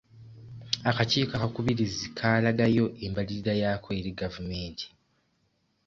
Akakiiko akakubirizi kaalagayo embalirira yako eri gavumenti.